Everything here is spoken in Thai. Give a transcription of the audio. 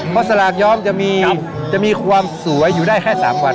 เพราะสลากย้อมจะมีครับจะมีความสวยอยู่ได้แค่สามวันอ๋อ